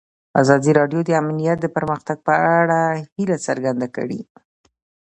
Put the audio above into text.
ازادي راډیو د امنیت د پرمختګ په اړه هیله څرګنده کړې.